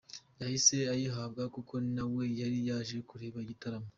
Yahise ayihabwa kuko na we yari yaje kureba igitaramo.